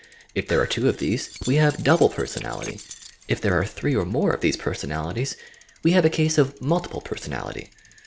If there are two of these, we have double personality; if there are three or more of these personalitie.'), we have a case of multiple personality.